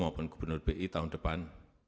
maupun gubernur bi tahun depan